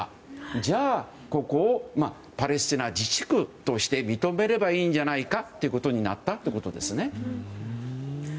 じゃあここをパレスチナ自治区として認めればいいんじゃないかということになったということです。